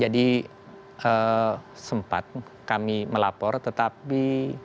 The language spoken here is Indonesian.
jadi sempat kami melapor tetapi